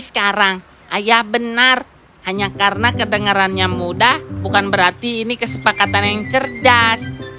sekarang ayah benar hanya karena kedengarannya mudah bukan berarti ini kesepakatan yang cerdas